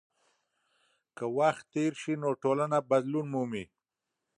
که وخت تېر سي نو ټولنه بدلون مومي.